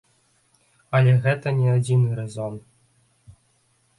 Але гэта не адзіны рэзон.